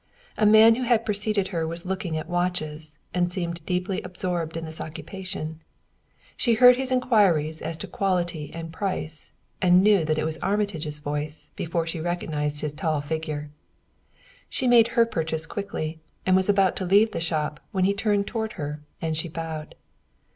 A man who had preceded her was looking at watches, and seemed deeply absorbed in this occupation. She heard his inquiries as to quality and price, and knew that it was Armitage's voice before she recognized his tall figure. She made her purchase quickly, and was about to leave the shop, when he turned toward her and she bowed.